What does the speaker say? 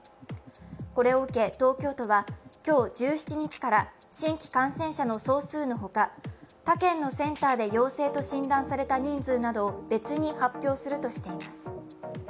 これを受け、東京都は今日１７日から新規感染者の総数のほか、他県のセンターで陽性と診断された人数などを別に発表するとしています。